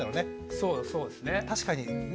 そうそうですね。